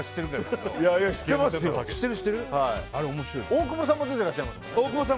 大久保さんも出ていらっしゃいますね。